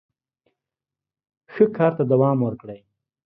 ښه کار ته دوام ورکړئ.